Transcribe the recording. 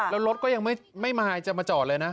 แล้วรถก็ยังไม่มาจอดเลยนะ